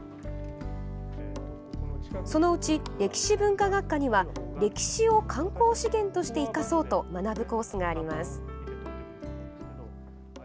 そのうち歴史文化学科には歴史を観光資源として生かそうと学ぶコースがあります。